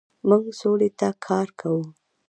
موږ سولې ته کار کوو.